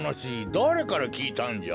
だれからきいたんじゃ？